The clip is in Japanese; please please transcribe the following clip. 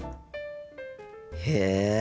へえ。